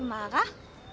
kenapa dia marah